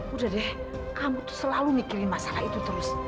udah deh kamu tuh selalu mikirin masalah itu terus